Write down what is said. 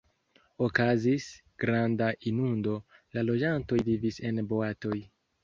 Okazis granda inundo, la loĝantoj vivis en boatoj.